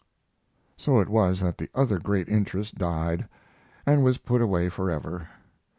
So it was that the other great interest died and was put away forever.